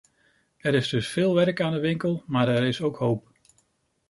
Er is dus veel werk aan de winkel maar er is ook hoop.